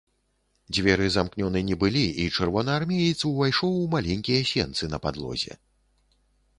Дзверы замкнёны не былі, і чырвонаармеец увайшоў у маленькія сенцы на падлозе.